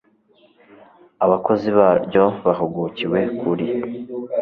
abakozi baryo bahugukiwe kuri